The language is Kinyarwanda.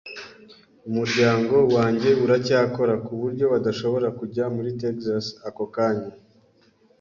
Umuryango wanjye uracyakora, kuburyo badashobora kujya muri Texas ako kanya.